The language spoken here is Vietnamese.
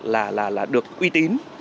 là được uy tín